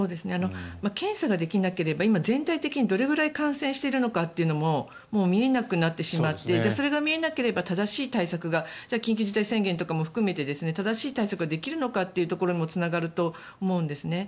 検査ができなければ今、全体的にどれくらい感染しているのかというのも見えなくなってしまってそれが見えなければ緊急事態宣言とかも含めて正しい対策ができるのかというところにもつながると思うんです。